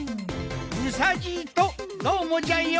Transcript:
うさじいとどーもじゃよ。